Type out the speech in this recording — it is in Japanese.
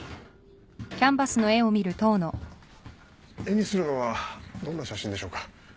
絵にするのはどんな写真でしょうか？